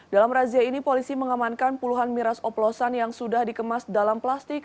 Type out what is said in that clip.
dalam razia ini polisi mengamankan puluhan miras oplosan yang sudah dikemas dalam plastik